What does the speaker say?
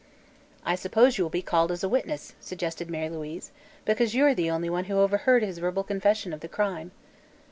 "I suppose you will be called as a witness," suggested Mary Louise, "because you are the only one who overheard his verbal confession of the crime."